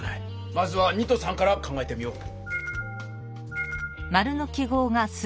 まずは２と３から考えてみよう。